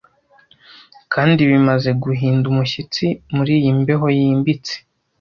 kandi bimaze guhinda umushyitsi muriyi mbeho yimbitse